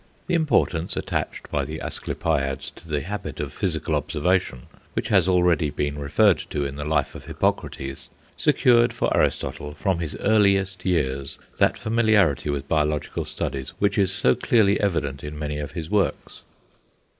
The importance attached by the Asclepiads to the habit of physical observation, which has been already referred to in the life of Hippocrates, secured for Aristotle, from his earliest years, that familiarity with biological studies which is so clearly evident in many of his works.